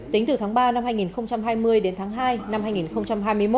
tính từ tháng ba năm hai nghìn hai mươi đến tháng hai năm hai nghìn hai mươi một